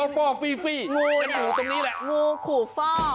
งูคูฟ่อ